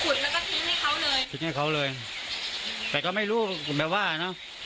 ขุดแล้วก็พิ้งให้เขาเลยพิ้งให้เขาเลยอืมแต่ก็ไม่รู้แบบว่าเนอะ